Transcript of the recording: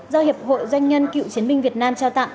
do hiệp hội doanh nhân cựu chiến binh việt nam trao tặng